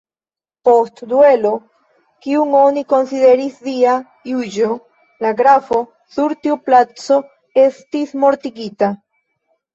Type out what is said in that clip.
Post duelo, kiun oni konsideris Dia juĝo, la grafo sur tiu placo estis mortigita.